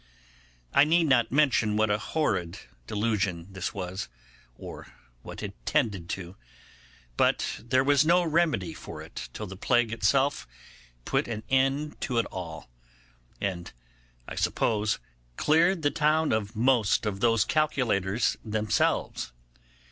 I need not mention what a horrid delusion this was, or what it tended to; but there was no remedy for it till the plague itself put an end to it all—and, I suppose, cleared the town of most of those calculators themselves.